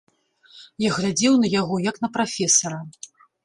Я глядзеў на яго, як на прафесара.